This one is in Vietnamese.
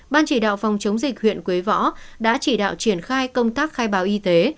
ban chỉ đạo phòng chống dịch huyện quế võ đã chỉ đạo triển khai công tác khai báo y tế